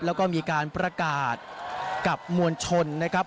แล้วก็มีการประกาศกับมวลชนนะครับ